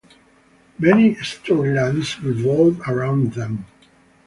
Many storylines revolved around them.